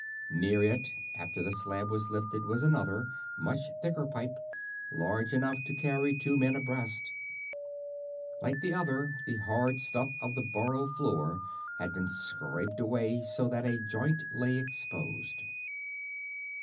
Near it, after the slab was lifted, was another, much thicker pipe, large enough to carry two men abreast. Like the other one, the hard stuff of the burrow floor had been scraped away so that a joint lay exposed.